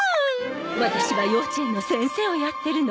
ワタシは幼稚園の先生をやってるの。